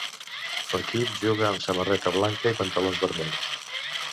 L'equip juga amb samarreta blanca i pantalons vermells.